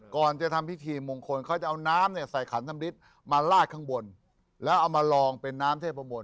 ก่อนจะทำพิธีมงคลเขาจะเอาน้ำเนี่ยใส่ขันธรรมริดมาลาดข้างบนแล้วเอามาลองเป็นน้ำเทพมนต